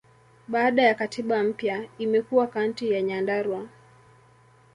Baada ya katiba mpya, imekuwa Kaunti ya Nyandarua.